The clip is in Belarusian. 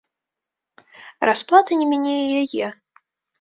Расплата не міне і яе.